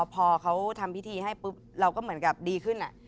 พอเขาทำพิธีให้ปุ๊บเราก็เหมือนกับดีขึ้น